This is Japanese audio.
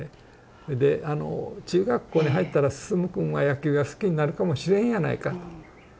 それであの「中学校に入ったら晋くんは野球が好きになるかもしれんやないか。